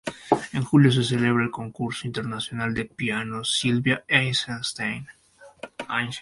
En julio se celebra el Concurso Internacional de Piano Silvia Eisenstein.